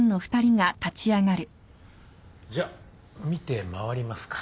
じゃ見て回りますか。